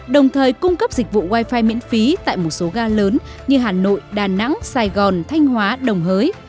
đồng thời cung cấp dịch vụ wifi miễn phí tại một số ga lớn như hà nội đà nẵng sài gòn thanh hóa đồng hới